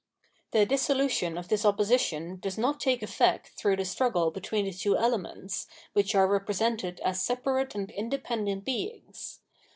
The di^olution of this opposition does not take effect through the struggle between the two elements, which are represented as separate and independent Beings.